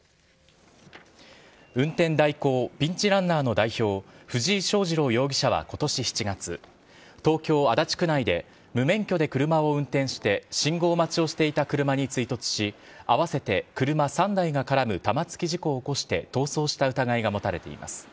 運転代行ピンチランナーの代表、藤井祥次郎容疑者はことし７月、東京・足立区内で、無免許で車を運転して信号待ちをしていた車に追突し、合わせて車３台が絡む玉突き事故を起こして、逃走した疑いが持たれています。